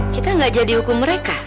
kita gak jadi hukum mereka